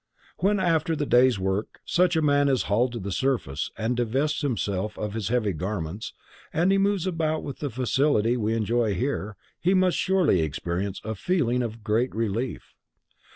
When after the day's work such a man is hauled to the surface, and divests himself of his heavy garments and he moves about with the facility we enjoy here, he must surely experience a feeling of great relief.